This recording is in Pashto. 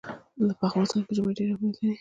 په افغانستان کې ژمی ډېر اهمیت لري.